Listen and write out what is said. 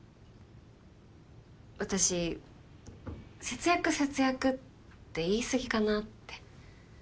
私節約節約って言いすぎかなって。